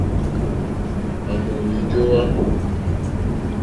À mò wíjówá.